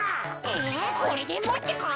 えこれでもってか。